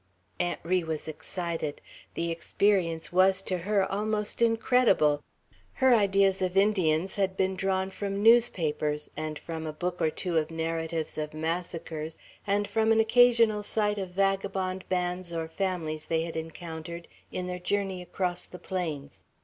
Aunt Ri was excited. The experience was, to her, almost incredible. Her ideas of Indians had been drawn from newspapers, and from a book or two of narratives of massacres, and from an occasional sight of vagabond bands or families they had encountered in their journey across the plains.